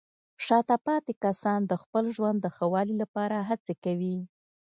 شاته پاتې کسان د خپل ژوند د ښه والي لپاره هڅې کوي.